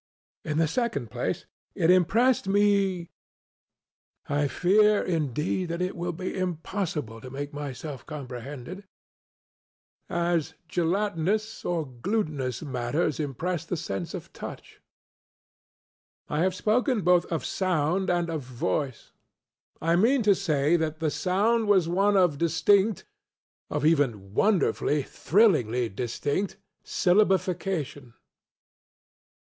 In the second place, it impressed me (I fear, indeed, that it will be impossible to make myself comprehended) as gelatinous or glutinous matters impress the sense of touch. I have spoken both of ŌĆ£soundŌĆØ and of ŌĆ£voice. ŌĆØ I mean to say that the sound was one of distinctŌĆöof even wonderfully, thrillingly distinctŌĆösyllabification. M.